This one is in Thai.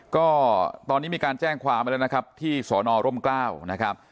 ก็ตอนนี้มีการแจ้งความไว้แล้วนะครับที่สอนอร่มกล้าวนะครับ